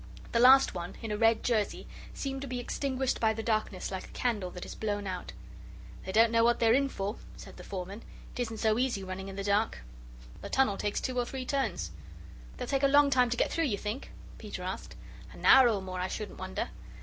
The last one, in a red jersey, seemed to be extinguished by the darkness like a candle that is blown out. "They don't know what they're in for," said the foreman; "it isn't so easy running in the dark. The tunnel takes two or three turns." "They'll take a long time to get through, you think?" Peter asked. "An hour or more, I shouldn't wonder."